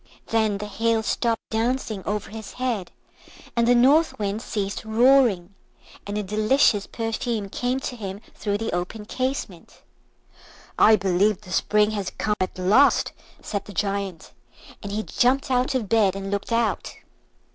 Then the Hail stopped dancing over his head, and the North Wind ceased roaring, and a delicious perfume came to him through the open casement. "I believe the Spring has come at last," said the Giant; and he jumped out of bed and looked out.